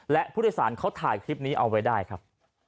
และผู้โดยสารเขาถ่ายคลิปนี้เอาไว้ได้ครับ